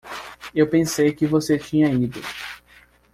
Eu pensei que você tinha ido.